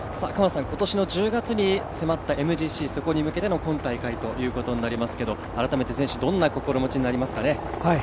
今年の１０月に迫ったＭＧＣ、そこに向けての今大会ということになりますが改めて選手、どんな心持ちになりますかね？